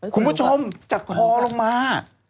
คุณก็ชอบจากคอลงมา